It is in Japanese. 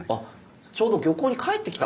ちょうど漁港に帰ってきた？